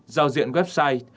giao diện website